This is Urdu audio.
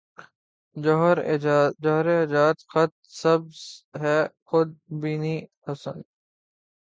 جوہر ایجاد خط سبز ہے خود بینیٔ حسن